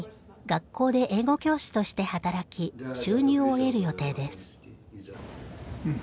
学校で英語教師として働き収入を得る予定です。